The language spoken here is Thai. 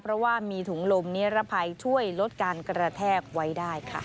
เพราะว่ามีถุงลมนิรภัยช่วยลดการกระแทกไว้ได้ค่ะ